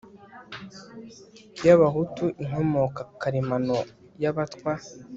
y abahutu inkomoko karemano y abatwa